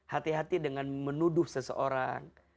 hati hati dengan menuduh seseorang